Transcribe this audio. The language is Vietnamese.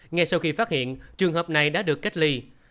ngay sau khi phát hiện trường hợp này đã được cách ly